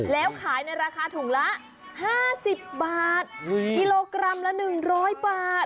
แล้วขายในราคาถุงละ๕๐บาทกิโลกรัมละ๑๐๐บาท